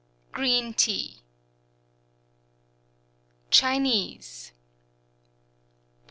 .. Green Tea CHINESE Bohea